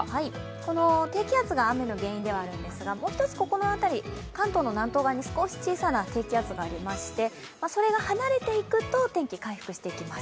この低気圧が雨の原因ではあるんですが、関東の南東側に少し小さな低気圧がありまして、それが離れていくと天気、回復していきます。